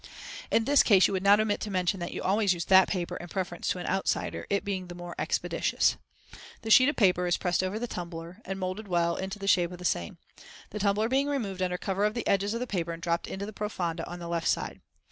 In this case you would not omit to mention that you always use that paper in preference to an outsider, it being the more expeditious. The sheet of paper is pressed over the tumbler and molded well into the shape of the same, the tumbler being removed under cover of the edges of the paper and dropped into the profonde on the left side.